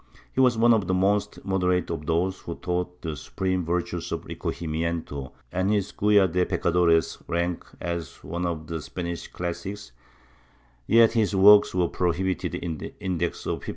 He was one of the most moderate of those who taught the supreme virtues of recojimiento and his Guia de Pecadores ranks as one of the Spanish classics, yet his works were prohibited in the Index of 1559.